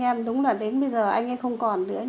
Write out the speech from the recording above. anh em đúng là đến bây giờ anh ấy không còn được sống